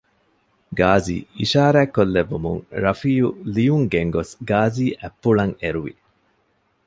ގާޒީ އިޝާރާތްކޮށްލެއްވުމުން ރަފީއު ލިޔުން ގެންގޮސް ގާޒީ އަތްޕުޅަށް އެރުވި